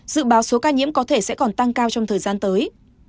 dự báo số ca nhiễm có thể sẽ còn tăng cao trong thời gian tới